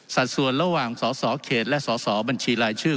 สัดส่วนระหว่างสสเขตและสสบัญชีรายชื่อ